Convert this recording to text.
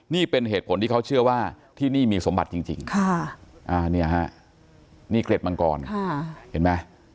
นี่เป็นเหตุผลที่เขาเชื่อว่าที่นี่มีสมบัติจริงนี่เกร็ดมังกรเห็นไหม